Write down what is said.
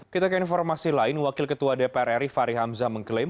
kita ke informasi lain wakil ketua dpr ri fahri hamzah mengklaim